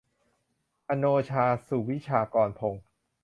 อโนชา สุวิชากรพงศ์